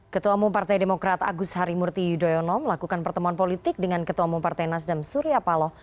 ketua umum partai demokrat agus harimurti yudhoyono melakukan pertemuan politik dengan ketua umum partai nasdem surya paloh